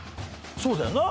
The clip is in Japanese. そうだよな？